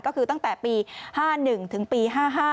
ก็คือตั้งแต่ปี๕๑ถึงปี๕๕